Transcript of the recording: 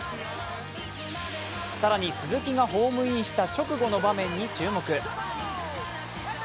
更に鈴木がホームインした直後の場面に注目。